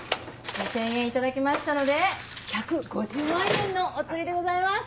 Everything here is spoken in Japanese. ２０００円頂きましたので１５０万円のお釣りでございます。